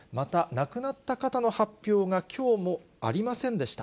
亡くなった方の発表ありませんでした。